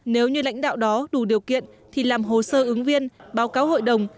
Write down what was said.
nếu như lãnh đạo đó đủ điều kiện thì làm hồ sơ ứng viên báo cáo hội đồng